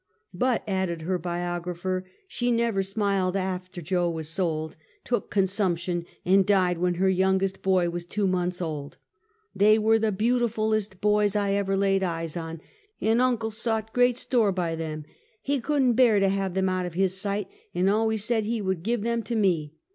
"But," added her biographer, "she never smiled af ter Jo was sold, took consumption and died when her youngest boy was two months old. They were the beautifulest boys I ever laid eyes on, and uncle sot great store by them. He could n't bear to have them out of his sight, and always said he would give them to me.